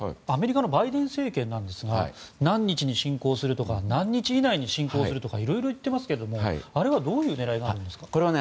アメリカのバイデン政権ですが何日に侵攻するとか何日以内に侵攻するとかいろいろ言っていますがあれはどういう狙いがあるんですか？